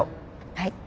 はい。